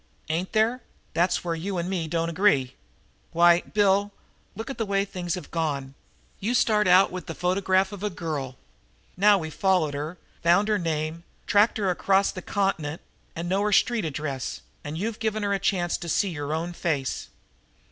"Ain't there? That's where you and me don't agree! Why, Bill, look at the way things have gone! You start out with a photograph of a girl. Now you've followed her, found her name, tracked her clear across the continent and know her street address, and you've given her a chance to see your own face.